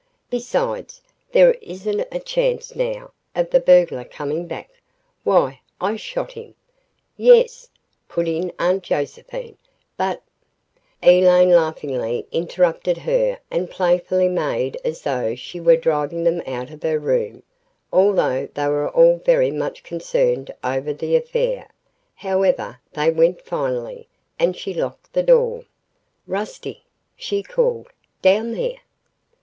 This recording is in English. Besides, there isn't a chance, now, of the burglar coming back. Why, I shot him." "Yes," put in Aunt Josephine, "but " Elaine laughingly interrupted her and playfully made as though she were driving them out of her room, although they were all very much concerned over the affair. However, they went finally, and she locked the door. "Rusty!" she called, "Down there!"